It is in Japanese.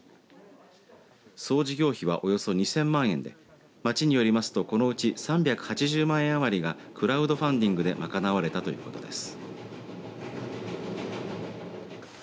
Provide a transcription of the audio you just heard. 総事業費はおよそ２０００万円で町によりますとこのうち３８０万円余りがクラウドファンディングで賄われたということです。